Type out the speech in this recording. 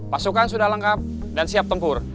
pasukan sudah lengkap dan siap tempur